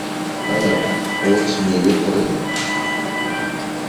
ایا وچې میوې خورئ؟